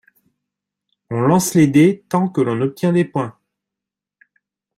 On lance les dés tant que l'on obtient des points.